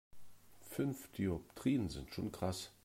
Fünf Dioptrien sind schon krass.